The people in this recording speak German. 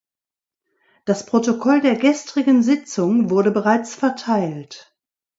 Das Protokoll der gestrigen Sitzung wurde bereits verteilt.